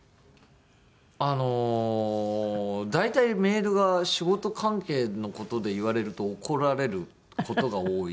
あの大体メールが仕事関係の事で言われると怒られる事が多いので。